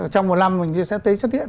trong một năm mình sẽ thấy xuất hiện